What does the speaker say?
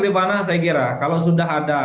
rifana saya kira kalau sudah ada